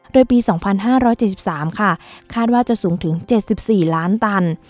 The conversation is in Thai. โดยปี๒๕๗๓ค่ะคาดว่าจะสูงถึง๗๔ล้านตัน